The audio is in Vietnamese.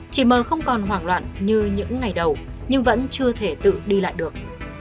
chị m không còn hoảng loạn như những ngày đầu nhưng vẫn chưa thể tự đi lại được